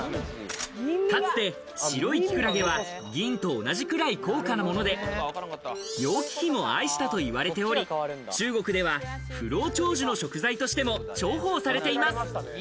かつて、白いキクラゲは銀と同じくらい高価なもので、楊貴妃も愛したといわれており、中国では不老長寿の食材としても重宝されています。